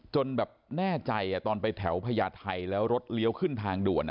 จนแบบแน่ใจตอนไปแถวพญาไทยแล้วรถเลี้ยวขึ้นทางด่วน